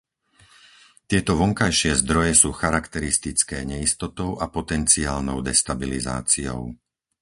Tieto vonkajšie zdroje sú charakteristické neistotou a potenciálnou destabilizáciou.